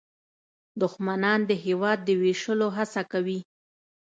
دښمنان د هېواد د ویشلو هڅه کوي